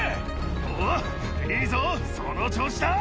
おっいいぞその調子だ！